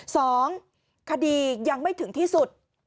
สองคดียังไม่ถึงที่สุด